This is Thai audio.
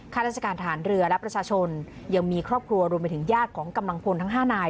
ราชการฐานเรือและประชาชนยังมีครอบครัวรวมไปถึงญาติของกำลังพลทั้ง๕นาย